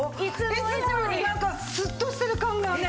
いつもよりなんかスッとしてる感がね。